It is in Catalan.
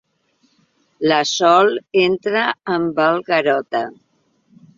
La Sol entra amb el Garota.